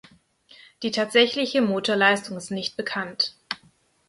Die tatsächliche Motorleistung ist nicht bekannt.